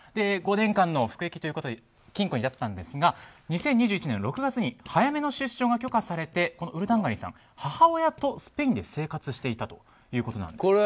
５年間の服役ということで禁錮になったんですが２０２１年６月に早めの出所が許可されてウルダンガリンさん母親とスペインで生活していたということです。